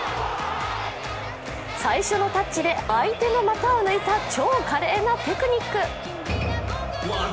最初のタッチで相手の股を抜いた超華麗なテクニック。